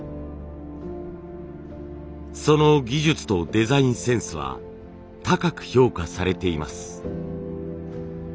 その技術とデザインセンスは高く評価されています。